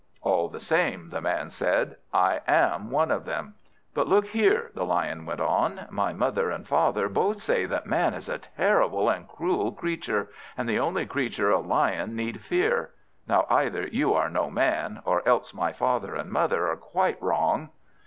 "All the same," the Man said, "I am one of them." "But look here," the Lion went on, "my father and mother both say that Man is a terrible and cruel creature, and the only creature a Lion need fear. Now, either you are no Man, or else my father and mother are quite wrong."